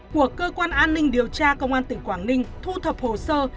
của cơ quan an ninh điều tra công an tỉnh quảng ninh thu thập hồ sơ